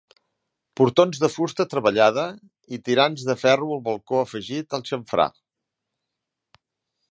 Portons de fusta treballada i tirants de ferro al balcó afegit al xamfrà.